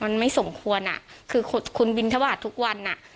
มันไม่สมควรอ่ะคือคุณบินทบาททุกวันอ่ะ